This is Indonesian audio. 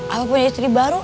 apapun istri baru